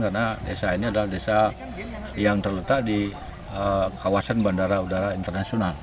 karena desa ini adalah desa yang terletak di kawasan bandara udara internasional